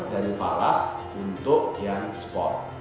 dari falas untuk yang sport